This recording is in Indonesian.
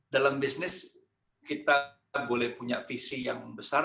dalam bisnis kita boleh punya visi yang besar